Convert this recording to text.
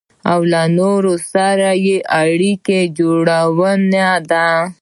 او له نورو سره يې اړيکه جوړونه ده.